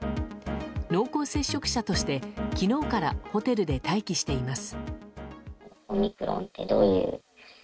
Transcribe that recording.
濃厚接触者として昨日からホテルで待機しています。